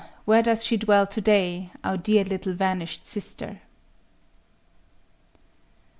where does she dwell to day, our dear little vanished sister?